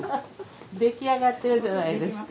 出来上がってるじゃないですか。